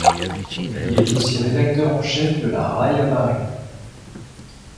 Il est aussi rédacteur en chef de la Rai à Bari.